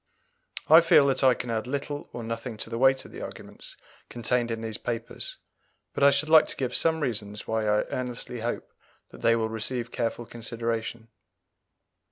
I feel that I can add little or nothing to the weight of the arguments contained in these papers, but I should like to give some reasons why I earnestly hope that they will receive careful consideration.